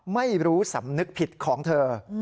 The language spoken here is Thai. ไม่รู้สำนึกผิดของเธอ